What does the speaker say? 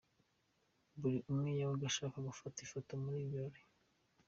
Buri umwe yabaga ashaka gufata ifoto muri ibi birori.